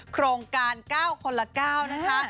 โครงการ๙คนละ๙นะคะ